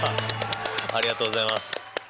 ありがとうございます。